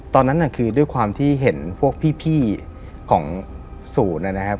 ตอนนั้นน่ะคือด้วยความที่เห็นพวกพี่ของศูนย์นะครับ